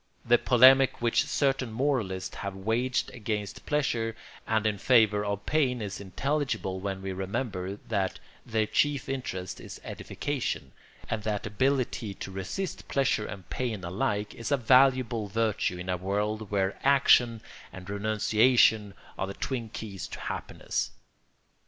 The polemic which certain moralists have waged against pleasure and in favour of pain is intelligible when we remember that their chief interest is edification, and that ability to resist pleasure and pain alike is a valuable virtue in a world where action and renunciation are the twin keys to happiness.